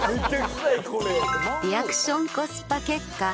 リアクションコスパ結果。